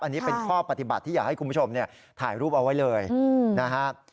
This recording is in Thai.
อันนี้เป็นข้อปฏิบัติที่อยากให้คุณผู้ชมถ่ายรูปเอาไว้เลยนะครับ